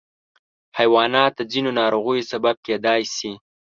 حیوانات د ځینو ناروغیو سبب کېدای شي.